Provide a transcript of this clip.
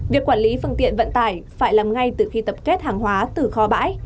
việc quản lý phương tiện vận tải phải làm ngay từ khi tập kết hàng hóa từ kho bãi